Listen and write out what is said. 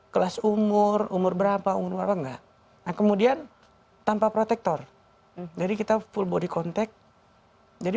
kelas umur umur berapa umur apa enggak kemudian tanpa protektor jadi kita full body contact jadi